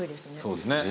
そうですね。